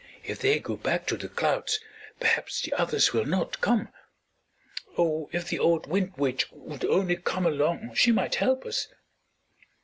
"If they go back to the clouds, perhaps the others will not come. Oh, if the old Wind Witch would only come along she might help us."